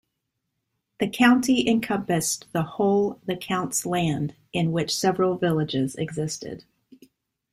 The 'county' encompassed the whole the Count's land in which several villages existed.